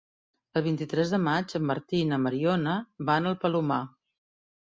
El vint-i-tres de maig en Martí i na Mariona van al Palomar.